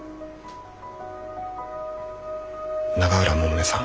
永浦百音さん。